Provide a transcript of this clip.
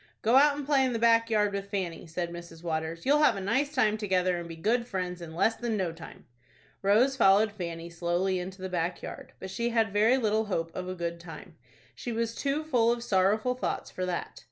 "Go out and play in the back yard with Fanny," said Mrs. Waters. "You'll have a nice time together, and be good friends in less than no time." Rose followed Fanny slowly into the back yard; but she had very little hope of a good time. She was too full of sorrowful thoughts for that.